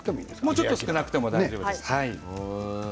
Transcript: もうちょっと少なくても大丈夫です。